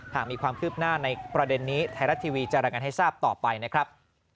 หากมีความคืบหน้าในประเด็นนี้ไทยรัฐทีวีจะรายงานให้ทราบต่อไปนะครับ